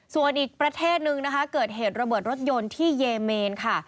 ส่วนอีกประเทศนึงนะคะเกิดเหตุระเบิดรถยนต์ที่เยเมนค่ะ